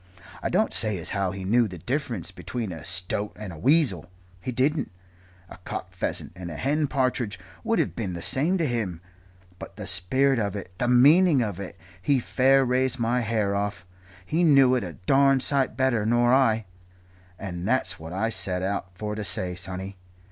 I don't say as how he knew the difference between a stoat and a weasel he didn't. A cock pheasant and a hen partridge would have been the same to him. But the spirit of it the meaning of it he fair raised my hair off he knew it a darned sight better nor I. And that's what I set out for to say, sonny.